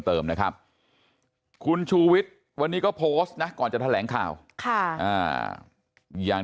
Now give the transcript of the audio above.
เติมนะครับคุณชูวิทย์วันนี้ก็โพสต์นะก่อนจะแถลงข่าวอย่าง